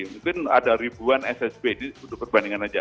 mungkin ada ribuan ssb untuk perbandingan aja